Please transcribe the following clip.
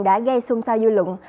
đã gây xung sao dư luận